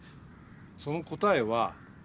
その答えは。